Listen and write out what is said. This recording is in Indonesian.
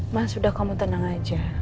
mah sudah kamu tenang aja